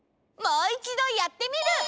もういちどやってみる！